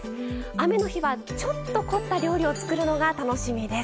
雨の日はちょっと凝った料理を作るのが楽しみです。